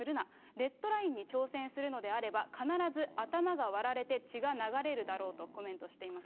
レッドラインに挑戦するのであれば、必ず頭が割られて血が流れるだろうとコメントしています。